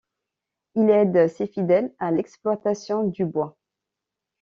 Il aide ses fidèles à l'exploitation du bois.